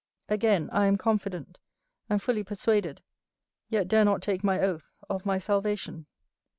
Again, I am confident, and fully persuaded, yet dare not take my oath, of my salvation.